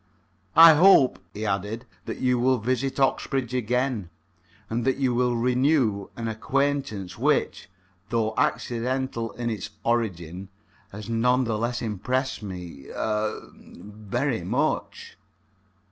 "I hope," he added, "that you will visit Oxbridge again, and that you will then renew an acquaintance which, though accidental in its origin, has none the less impressed me er very much."